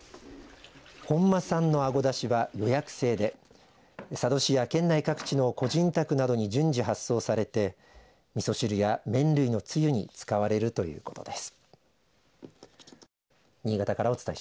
本間さんのあごだしは予約制で佐渡市や県内各地の個人宅などに順次発送されてみそ汁や麺類のつゆに使われるということです。